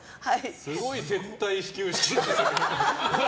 すごい接待始球式。